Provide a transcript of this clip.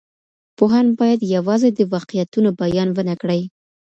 پوهان بايد يوازې د واقعيتونو بيان ونه کړي.